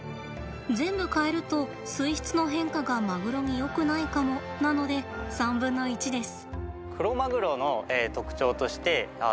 全部、換えると水質の変化がマグロによくないかもなので３分の１です。